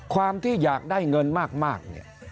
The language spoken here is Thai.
ความที่อยากได้เงินมาก